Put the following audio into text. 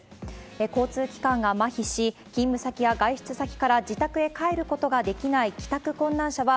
交通機関が麻痺し、勤務先や外出先から自宅へ帰ることができない帰宅困難者は、